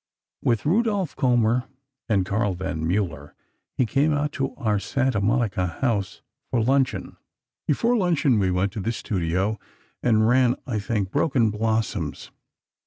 With Rudolph Kommer and Karl von Mueller he came out to our Santa Monica house, for luncheon. Before luncheon we went to the studio and ran, I think, 'Broken Blossoms.